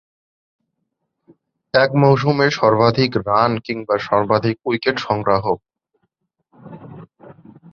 যেমন: এক মৌসুমে সর্বাধিক রান কিংবা সর্বাধিক উইকেট সংগ্রাহক।